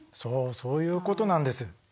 そういうことなんです。